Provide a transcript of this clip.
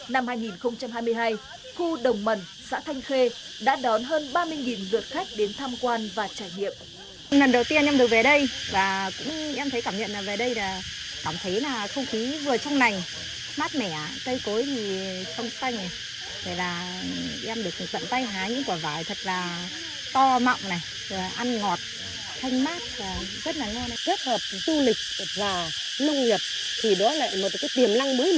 năm hai nghìn hai mươi hai khu đồng mần xã thanh khê đã đón hơn ba mươi vượt khách đến tham quan và trải nghiệm